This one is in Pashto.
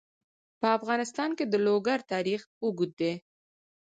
په افغانستان کې د لوگر تاریخ اوږد دی.